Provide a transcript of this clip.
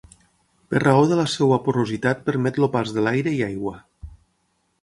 Per raó de la seva porositat permet el pas de l'aire i aigua.